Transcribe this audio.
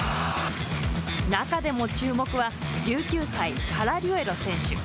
中でも注目は１９歳、パラリュエロ選手。